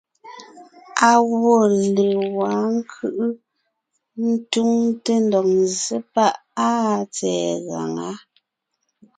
Á gwɔ́ légwá ńkʉ́ʼʉ ńtúŋte ńdɔg ńzsé páʼ áa tsɛ̀ɛ gaŋá.